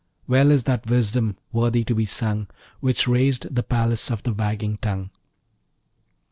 Well is that wisdom worthy to be sung, Which raised the Palace of the Wagging Tongue!